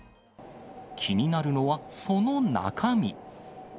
気になるのは、その中身。